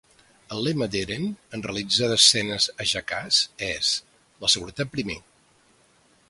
El lema d'Ehren en realitzar escenes a "Jackass" és "La seguretat primer.